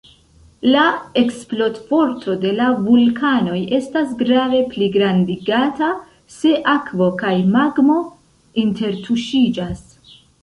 La eksplodforto de la vulkanoj estas grave pligrandigata, se akvo kaj magmo intertuŝiĝas.